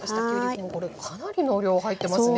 でもこれかなりの量入ってますね。